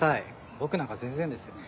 僕なんか全然です。